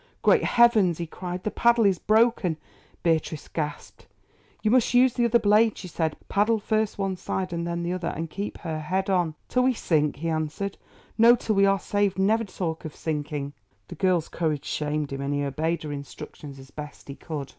"Great heavens!" he cried, "the paddle is broken." Beatrice gasped. "You must use the other blade," she said; "paddle first one side and then on the other, and keep her head on." "Till we sink," he answered. "No, till we are saved—never talk of sinking." The girl's courage shamed him, and he obeyed her instructions as best he could.